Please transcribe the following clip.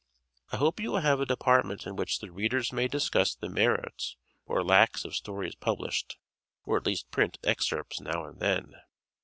I hope you will have a department in which the readers may discuss the merits or lacks of stories published. Or at least print excerpts now and then.